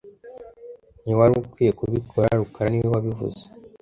Ntiwari ukwiye kubikora rukara niwe wabivuze